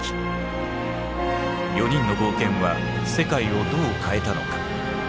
４人の冒険は世界をどう変えたのか？